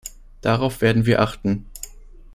Darauf werden wir achten.